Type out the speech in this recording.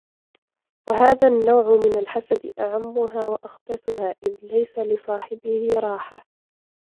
وَهَذَا النَّوْعُ مِنْ الْحَسَدِ أَعَمَّهَا وَأَخْبَثُهَا إذْ لَيْسَ لِصَاحِبِهِ رَاحَةٌ